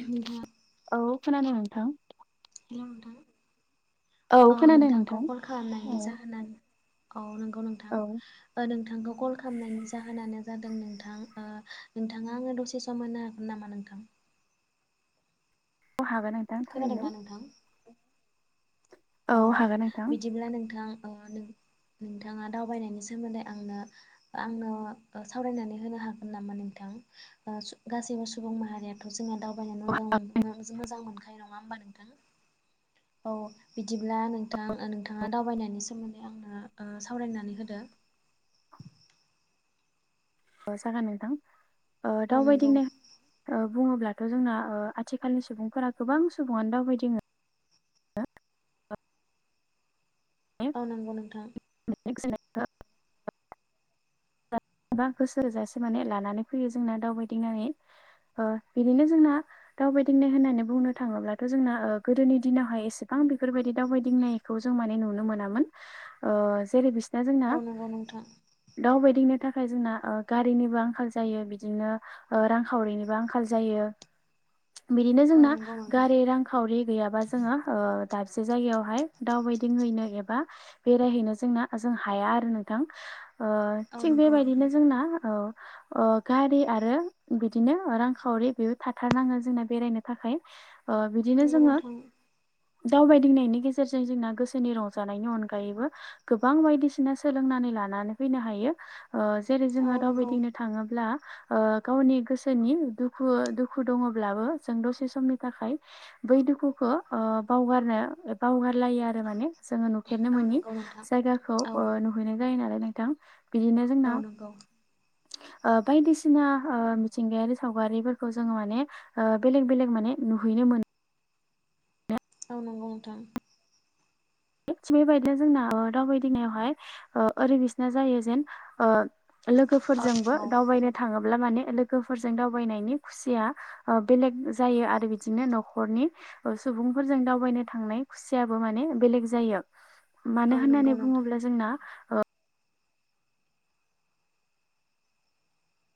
नोंथां औ खोनादों नोंथां हेल' नोंथां औ खोनादों नोंथांखौ नोंथां कल खालामनायनि औ जाहोनानो औ नोंगौ नोंथां औ ओ नों नोंथांखौ कल खालामनायनि जाहोनानो जादों नोंथां नोंथाङा आङो दसे सम होनो हागोन नामा नोंथां [inaudible] अ हागोन नोंथां थारैनो खोनादोंना नोंथां औ हागोन नोंथां बिदिब्ला नोंथां नों नोंथाङा दावबायनायनि सोमोन्दै आंनो आंनो सावरायनानै होनो हागोन नामा नोंथां गासैबो सुबुं माहारियाथ' जोंङो दावबाय मोजां मोनखायो नङा होमबा नोंथां औ बि बिदिब्ला नोंथां नोंथाङा दावबायनायनि सोमोन्दै आनो सावरायनानै होदो अ जागोन नोंथां औ नंगौ दावबायदिं बुङोब्लाथ' जोंना आथिखालनि सुबुंफोरा गोबां सुबुङानो दावबायदिंङो औ नांगौ नोंथां [unintelligible] गोबां गोसो होजासे माने लानानै फैयो जोंना दावबायदिंनानै बिदिनो जोंना दावबायदिंनाय होननानै बुंनो थाङोब्लाथ' जोंना गोदोनि दिनावहाय एसेबां बां बेफोरबायदि दावबायदिंनायखौ जों नुनो मोनामोन जेरै बि दा जोंना औ नंगौ नोंथां दाउबायदिंनो थाखाय जोंना गारिनिबो आंखाल जायो बिदिनो रांखावरिनिबो आंखाल जायो बिदिनो औ जोंना नंगौ नोंथां गारि रांखावरि गैयाबा जोङो ओ दाबसे जायगायावहाय दावबायदिंहैनो एबा बेरायहैनो जोंना जों हाया आरो नोंथां। ओ औ थिग नंगौ नोंथां बेबायदिनो जोंना औ ओ गारि आरो बिदिनो रांखावरि बेबो थाथारनााङो जोंना बेरायनो थाखाय। ओ बिदिनो नंगौ जोङो नोंथां दावबायदिंनायनि गेजेरजों जोंना गोसोनि रंजानायनि अनगायैबो गोबां बायदिसिना सोलोंना लानानै फैनो हायो जेरै औ जोङो नंगौ दावबायदिंनो थाङोब्ला ओ गावनि गोसोनि दुखु दुखु दङब्लाबो जों दसे समनि थाखाय बै दुखुखौ ओ बावगारनो बावगारलायो आरो माने जोङो नुफेरनो औ मोननि नंगौ नोंथां जायगाखौ औ ओ नुहैनाय जायो नालाय नोंथां। बिदिनो औ जोंना नंगौ [inaudible] ओ बायदिसिना ओ मिथिंगायारि सावगारिफोरखौ जोङो माने ओ बेलेग बेलेग माने नुहै मोन औ नंगौ नोंथां। थिग बेबायदिनो जोंना दावबायदिंनायावहाय ओरै बिसना जायो जेन ओ औ लोगोफोरजोंबो नंगौ दावबायनो थाङोब्ला माने लोगोफोरजों दावबायनायनि खुसिया बेलेग जायो आरो बिदिनो न'खरनि स सुबुंफोरजों दावबायनो थांनाय खुसियाबो माने बेलेग जायो मानो औ नंगौ होननानै नोंथां बुङोब्ला जोंना‌ ओ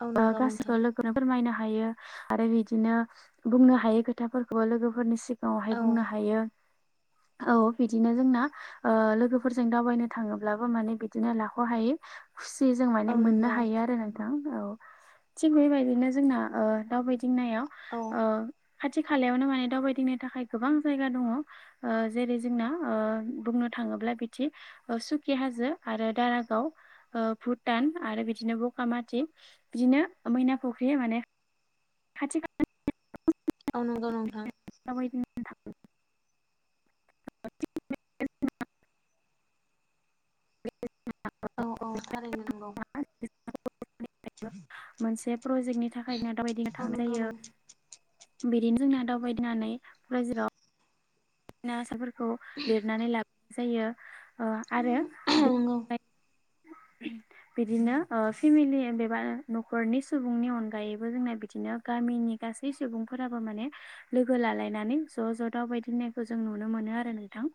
औ ओ नंगौ गासिखौबो नोंथां लोगोनो फोरमायनो हा हायो आरो बिदिनो बुंनो हायो खोथा फोरखौबो लोगोफोरनि सि गांआवहाय औ बुंनो हायो। औ बिदिनो जोंना ओ लोगोफोरजों दावबायनो थाङोब्लाबो माने बिदिनो लाख'हायै खुसि जों औ माने मोननो नंगौ हायो आरो नोंथां औ। थिग बेबायदिनो जोंना दाबाय दिं थिंनायाव औ ओ खाथि खालायावनो माने दावबायदिंनो थाखाय गोबां जायगा दङ ओ जेरै जोंना ओ बुंनो थाङोब्ला बिथि सुखि हाजो आरो दारागाव ओ भुटान आरो बिदिनो बगा माथि बिदिनो मैना फुख्रि माने खाथि खा औ नंगौ नोंथां। [unintelligible] औ [unintelligible] औ औ थारैनो नोंगौ मोनसे प्रजेक्टनि थाखाय जोंहा दाबायदिनो औ थांनाय नंगौ जायो नंगौ बिदिनो जोंना दावबाय दिंनानै [unintelligible] ना आसाफोरखौ लिरनानै लाबोनाय जायो ओ आरो औ बे नंगौ [inaudible] बिदिनो फेमिलि एबा न'खरनि सुबुंनि अनगायैबो जोंना बिदिनो गा गामिनि गासै सुबुंफोराबो माने लोगो लालायनानै ज' ज' दा बायदि होननायखौ जों नुनो मोनो आरो ना नोथां।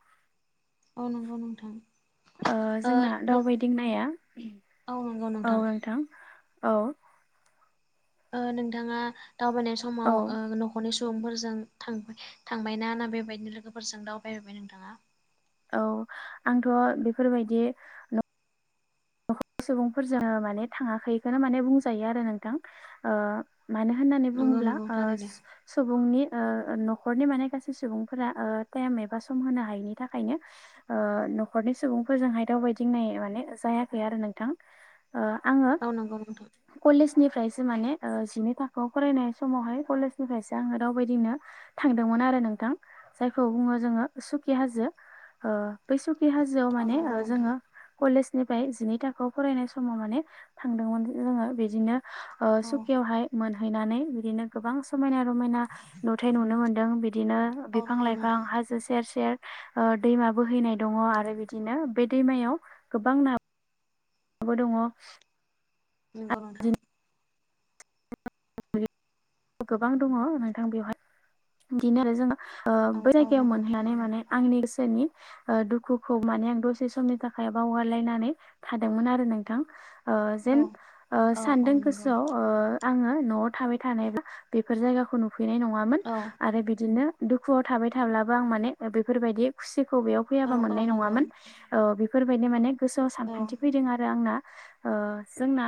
औ नंगौ नोंथां। ओ जोंना दावबायदिं नाया औ नोंथां। औ ओ नोंथाङा दावबायनाय समाव औ ओ न'खरनि सु बुंफोरजों थांबायना ना बेबायदिनो लोगोफोरजों दावबायबाय नोंथाङा? औ आंथ' बेफोरबायदि न सुबुंफोरजों माने थाङाखैखौनो माने बुंजायो आरो नोंथां ओ मानो होननानै नंगौ बुङोब्ला नंगौ ओ थारैनो सुबुंनि ओ न'खरनि माने गासै सुबुंफोरा ओ टाइम एबा सम होनो हायैनि थाखायनो ओ न'खरनि सुबुंफोरजोंहाय दावबायदिं नाय माने जायाखै आरो नोंथां। औ नोंगौ नोंथां निफ्रायसो माने ओ जिनि थाखोआव फरायनाय समावहाय कलेजनिफ्रायसो आङो दावबायायदिनो थांदोंमोन नारो नोंथां जायखौ बुङो जोङो सुखि हाजो ओ बै सुखि खि हाजोआव औ माने ओ नंगौ नोंथां जोङो कलेजनिफ्राय जिनै थाखोआव फरायनाय समाव माने थांदोंमोन जोङो बिदिनो ओ औ सुकियावहाय मोन हैनानै बिदिनो गोबां समायना रमायना नुथाय नुनो मोन्दों बि बिदिनो औ बिफां नंगौ लाइफां नोंथां हाजो सेर सेर ओ दैमा बोहैनाय दङ आरो बिदिनो बे दैमायाव गोबां ना माबो दङ नोंग' नोंथां गोबां दङ नोंथां बेवहाय बिदिनो [unintelligible] ओ औ बै औ जायगायाव नंगौ मोनहैनानै थारैनो माने आंनि [unintelligible] सो नि दुखुखौ माने आं दसे समनि थाखाय बावगारलायनानै थादोंमोन आरो नोंथां ओ औ जेन ओ औ सानदों औ नंगौ गोसोआव ओ आङो न'आव थाबाय थानायबा बेफोर जायगाखौ नुफैनाय नङामोन औ आरो बिदिनो दुखुआव थाबाय थाब्लाबो आं माने बेफोरबायदि खुसिखौ बेयाव फैयाबा औ औ मोननाय नंगौ नङामोन औ बेफोरबायदि माने गोसोआव औ सानखान्थि फैदों आरो आंना ओ जोंना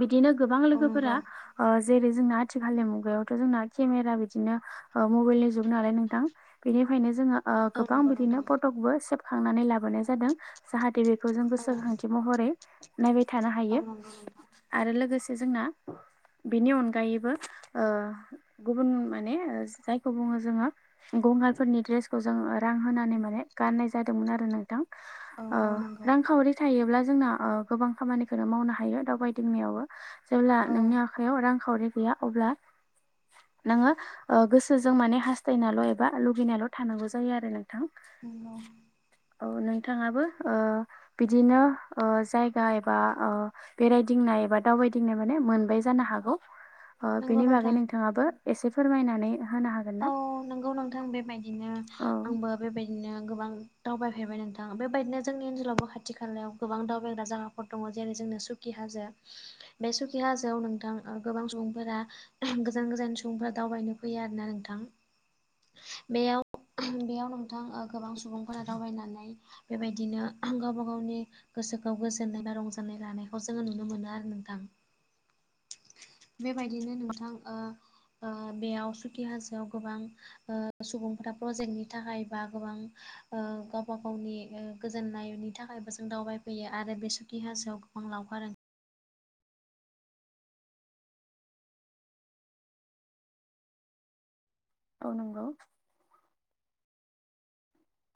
बिदिनो नंगौ गोबां औ लोगोफोरा ओ जेरै जोंना आथिखालनि मुगायावथ' जोंना केमेरा बिदिनो ओ मबाइलनि जुग नालाय नोंथां बेनिफायायनो जोङो ओ गोबां नंगौ नोंथां बिदिनो फटकबो सेबखांनानै लाबोनाय जादों जाहाथे बे बे खौ जों औ गोसोखांथि महरै नायबाय थानो औ हायो नंगौ नोंथां आरो लोगोसे जोंना बेनि अनगायैबो ओ- गुबुन माने जायखौ बुङो जोङो गंगारफोरनि दड्रेसखौ जोङो रां होनानै माने गाननाय जादोंमोन आरो नोंथां औ ओ औ नंगौ रांखावरि थायोब्ला जोंना ओ गोबां खामानिखौनो मावनो हायो दावबायदिंनायावबो जेब्ला औ नोंनि आखायाव रांखावरि गैया अब्ला नोङो ओ गोसोजों माने हासथायनाल' एबा लुगैनायल' थानांगौ जायो आरो नोंथां औ औ नोंथाङाबो ओ बिदिनो ओ जायगा एबा ओ बेरायदिंना एबा दावबायदिंनाय माने मोनबाय जानो हागौ ओ नंगौ बिनि बागै नोंथां नोंथाङाबो एसे फोरमायनानै होनो हागोन औ ना? नोंगौ नोंथां बेबायदिनो औ आंबो बेबायदिनो गोबां दावबायफेरबाय नोंथां बेबायदिनो जोंनि ओनसोलावबो खाथि खालायाव गोबां दावबायग्रा जायाफोर दङ जेरै जों सुखि हाजो बे सुखि हाजोयाव नोंथां ओ गोबां सुबुंफोरा [unintelligible] गोजान गोजान सु सुबुंफ्रा दावबायनो फैयो आरोना नोंथां बेयाव [unintelligible] बेयाव नोंथां ओ गोबां सुबुंफोरा दावबायनानै बेबायदिनो [unintelligible] गावबा गावनि गोसो गोसोखौ गोजोननाय बा रंजानाय लानायखौ जोङो नुनो मोनो आरो नोंथां [inaudible] बेबायदिनो नोंथां ओ ओ बेयाव सुखि हाजोआव गोबां ओ सुबुंफोरा प्रजेक्टनि थाखाय बा गोबां ओ गावबा गावनि ओ गोजोननायनि थाखायबो जों दावबायफैयो आरो बे सुखि हाजोआव गोबां लावखारो औ नोंगौ।